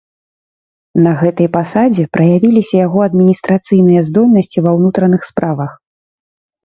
На гэтай пасадзе праявіліся яго адміністрацыйныя здольнасці ва ўнутраных справах.